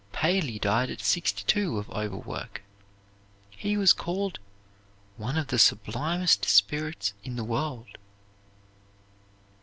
Paley died at sixty two of overwork. He was called "one of the sublimest spirits in the world."